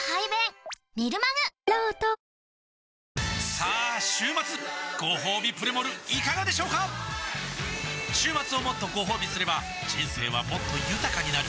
さあ週末ごほうびプレモルいかがでしょうか週末をもっとごほうびすれば人生はもっと豊かになる！